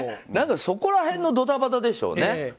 そこら辺のドタバタでしょうね。